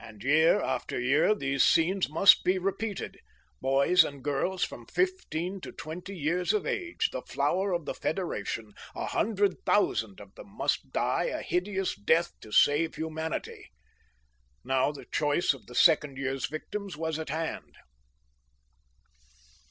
And year after year these scenes must be repeated. Boys and girls, from fifteen to twenty years of age, the flower of the Federation, a hundred thousand of them, must die a hideous death to save humanity. Now the choice of the second year's victims was at hand.